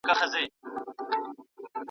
د سوبمنو لښکر د غچ اور په زړونو کې ژوندی و.